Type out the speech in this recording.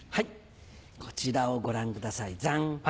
こちらをご覧くださいじゃん！